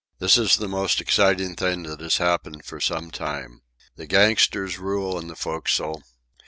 This is the most exciting thing that has happened for some time. The gangsters rule in the forecastle.